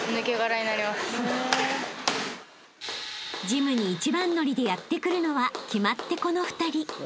［ジムに一番乗りでやって来るのは決まってこの２人］